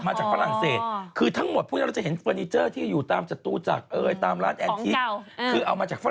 แอ้ฟล์ลิตติ้งเนี่ยเป็นของเก่าหมด